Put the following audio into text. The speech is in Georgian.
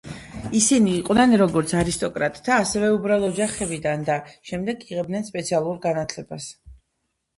ისინი იყვნენ, როგორც არისტოკრატთა, ასევე უბრალო ოჯახებიდან და შემდეგ იღებდნენ სპეციალურ განათლებას.